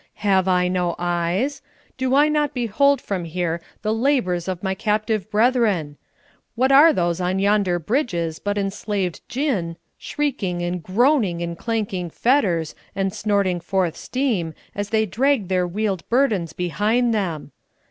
Have I no eyes? Do I not behold from here the labours of my captive brethren? What are those on yonder bridges but enslaved Jinn, shrieking and groaning in clanking fetters, and snorting forth steam, as they drag their wheeled burdens behind them?